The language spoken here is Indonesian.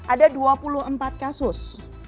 ada dua puluh empat kasus